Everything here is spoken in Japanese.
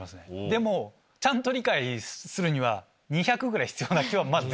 でもちゃんと理解するには２００ぐらい必要な気はします。